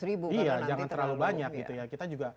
iya jangan terlalu banyak gitu ya